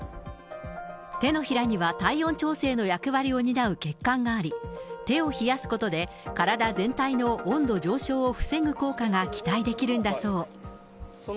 手のひらには体温調整の役割を担う血管があり、手を冷やすことで、体全体の温度上昇を防ぐ効果が期待できるんだそう。